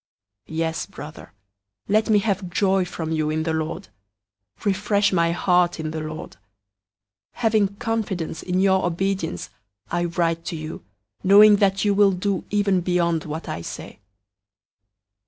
001:020 Yes, brother, let me have joy from you in the Lord. Refresh my heart in the Lord. 001:021 Having confidence in your obedience, I write to you, knowing that you will do even beyond what I say.